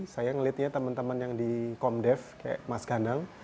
saya ngelitnya teman teman yang di komdef kayak mas gandang